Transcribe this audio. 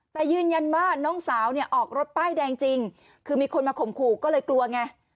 แต่ยืนยันว่าน้องสาวเนี่ยออกรถป้ายแดงจริงคือมีคนมาข่มขู่ก็เลยกลัวไง